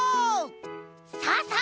さあさあ